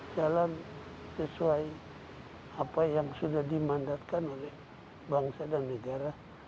jalan sesuai apa yang sudah dimandatkan oleh bangsa dan negara